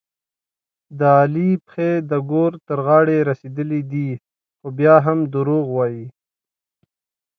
د علي پښې د ګور تر غاړې رسېدلې دي، خو بیا هم دروغ وايي.